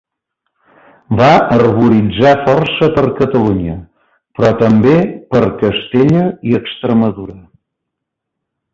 Va herboritzar força per Catalunya, però també per Castella i Extremadura.